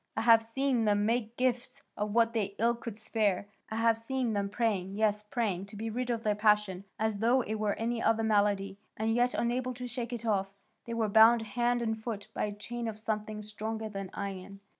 I have seen them make gifts of what they ill could spare, I have seen them praying, yes, praying, to be rid of their passion, as though it were any other malady, and yet unable to shake it off; they were bound hand and foot by a chain of something stronger than iron.